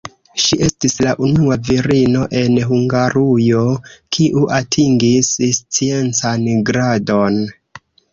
Ŝi estis la unua virino en Hungarujo, kiu atingis sciencan gradon.